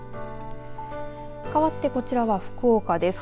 かわってこちらは福岡です。